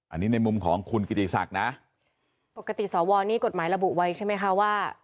อันนี้ในมุมของคุณกิติศักดิ์นะปกติสวนี่กฎหมายระบุไว้ใช่ไหมคะว่า